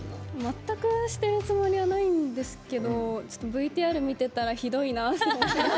全くしてるつもりはないんですけどＶＴＲ見てたらひどいなって思って。